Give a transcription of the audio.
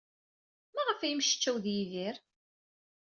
Maɣef ay yemmecčaw ed Yidir?